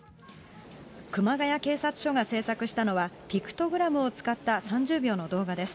熊谷警察署が制作したのは、ピクトグラムを使った３０秒の動画です。